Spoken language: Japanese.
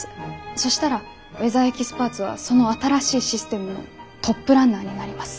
そしたらウェザーエキスパーツはその新しいシステムのトップランナーになります。